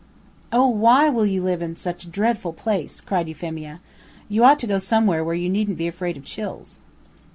"Oh, why will you live in such a dreadful place?" cried Euphemia. "You ought to go somewhere where you needn't be afraid of chills."